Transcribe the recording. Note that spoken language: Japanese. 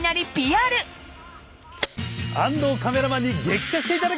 安藤カメラマンに激写していただきます。